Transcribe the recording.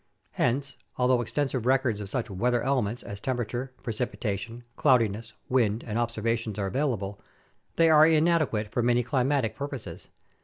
Hence, although extensive records of such weather elements as tempera ture, precipitation, cloudiness, wind, and observations are available, they are inadequate for many climatic purposes.